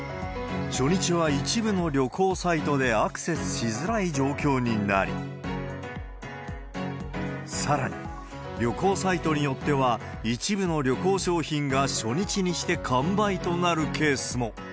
初日は一部の旅行サイトでアクセスしづらい状況になり、さらに、旅行サイトによっては、一部の旅行商品が初日にして完売となるケースも。